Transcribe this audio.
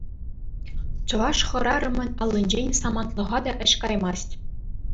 Чӑваш хӗрарӑмӗн аллинчен самантлӑха та ĕç каймасть.